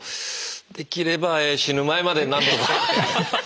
できれば死ぬ前までに何とか。